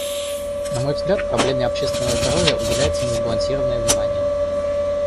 На мой взгляд, проблеме общественного здоровья уделяется несбалансированное внимание.